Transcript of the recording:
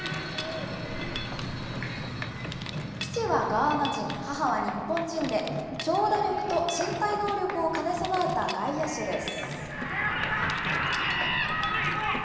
父はガーナ人、母は日本人で、長打力と身体能力を兼ね備えた外野手です。